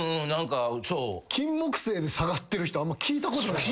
キンモクセイで下がってる人あんま聞いたことない。